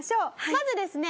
まずですね